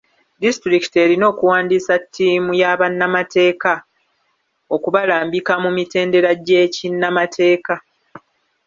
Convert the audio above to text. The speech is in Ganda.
Disitulikiti erina okuwandiisa ttiimu ya bannamateeka okubalambika mu mitendera gy'ekinnamateeka.